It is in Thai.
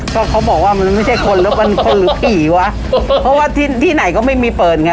ก็เขาบอกว่ามันไม่ใช่คนแล้วมันคนหรือผีวะเพราะว่าที่ที่ไหนก็ไม่มีเปิดไง